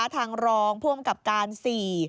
ทางรองพกิกสี่